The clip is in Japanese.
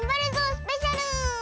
スペシャル！